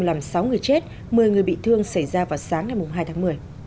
làm sáu người chết một mươi người bị thương xảy ra vào sáng ngày hai tháng một mươi